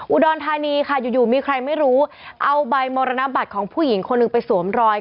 อุดรธานีค่ะอยู่อยู่มีใครไม่รู้เอาใบมรณบัตรของผู้หญิงคนหนึ่งไปสวมรอย